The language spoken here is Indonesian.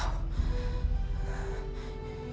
aku nggak tahu